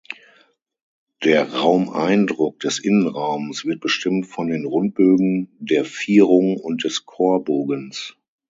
Der Raumeindruck des Innenraums wird bestimmt von den Rundbögen der Vierung und des Chorbogens.